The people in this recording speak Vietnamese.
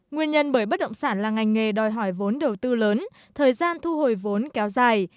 nguyên nhân bởi bất động sản là ngành nghề đòi hỏi vốn đầu tư lớn thời gian thu hồi vốn kéo dài